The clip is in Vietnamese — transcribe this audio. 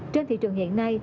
trên thị trường hiện nay